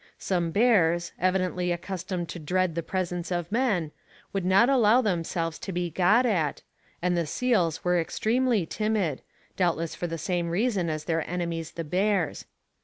Some bears, evidently accustomed to dread the presence of men, would not allow themselves to be got at, and the seals were extremely timid, doubtless for the same reason as their enemies the bears.